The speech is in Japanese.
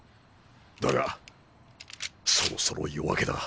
だがそろそろ夜明けだ